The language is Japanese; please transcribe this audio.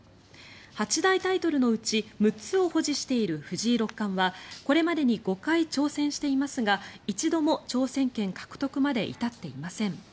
八大タイトルのうち６つを保持している藤井六冠はこれまでに５回挑戦していますが一度も挑戦権獲得まで至っていません。